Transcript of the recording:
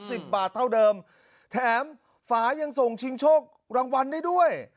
สิบบาทเท่าเดิมแถมฝายังส่งชิงโชครางวัลได้ด้วย